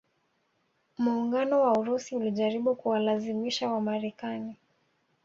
Muungano wa Urusi ulijaribu kuwalazimisha Wamarekani